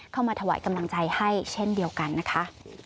เข้ามาถวายกำลังใจให้เช่นเดียวกันนะคะ